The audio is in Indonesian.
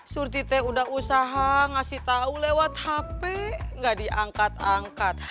surti teh udah usaha ngasih tahu lewat hp gak diangkat angkat